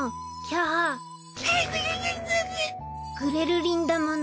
「グレるりんだもの。